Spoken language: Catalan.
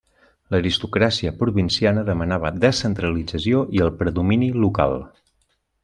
L'aristocràcia provinciana demanava descentralització i el predomini local.